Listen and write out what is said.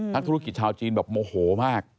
นักธุรกิจชาวจีนแบบโมโหมาก